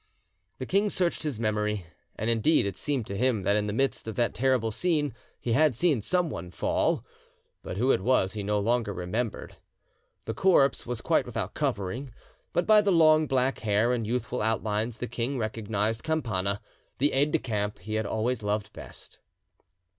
The king searched his memory, and indeed it seemed to him that in the midst of that terrible scene he had seen someone fall, but who it was he no longer remembered. The corpse was quite without covering, but by the long black hair and youthful outlines the king recognised Campana, the aide decamp he had always loved best.